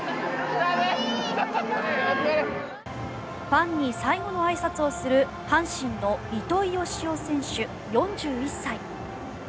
ファンに最後のあいさつをする阪神の糸井嘉男選手、４１歳。